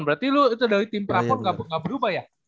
berarti lo itu dari tim perapon gak berubah ya